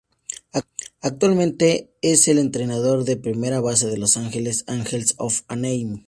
Actualmente es el entrenador de primera base de Los Angeles Angels of Anaheim.